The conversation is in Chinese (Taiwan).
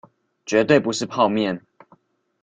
絕對不是泡麵